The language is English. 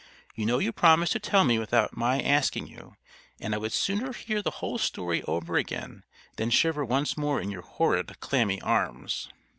You know you promised to tell me without my asking you, and I would sooner hear the whole story over again than shiver once more in your horrid, clammy arms."